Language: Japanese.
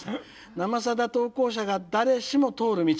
『生さだ』投稿者が誰しも通る道。